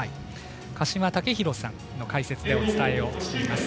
鹿島丈博さんの解説でお伝えしています。